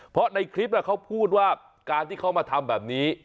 เพราะในคลิปเขาพูดว่าการที่เขามาทำแบบนี้